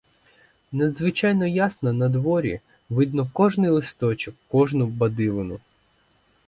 Надзвичайно ясно надворі, видно кожний листочок, кожну бадилину!